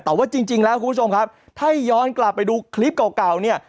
แต่ว่าจริงแล้วคุณผู้ชมครับถ้าย้อนกลับไปดูคลิปเก่าเนี่ย